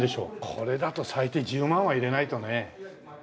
これだと最低１０万は入れないとね。